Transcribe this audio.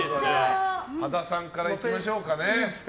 羽田さんから行きましょうかね。